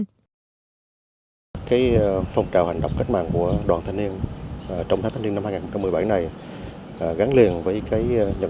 trong chuyến hành quân này các bạn đoàn viên thanh niên còn trực tiếp khám